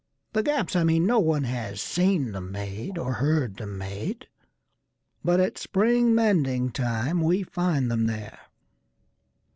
The gaps I mean, No one has seen them made or heard them made, But at spring mending time we find them there.